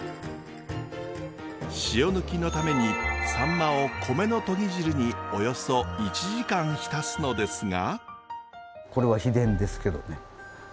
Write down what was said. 塩抜きのためにさんまを米のとぎ汁におよそ１時間浸すのですが。